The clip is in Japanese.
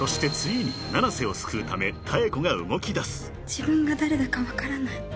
「自分が誰だか分からない」